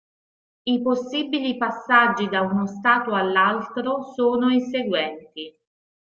I possibili passaggi da uno stato all'altro sono i seguenti.